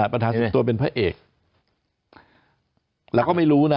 ปัญหาส่วนตัวเป็นพระเอกเราก็ไม่รู้นะ